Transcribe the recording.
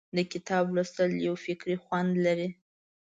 د کتاب لوستل یو فکري خوند لري.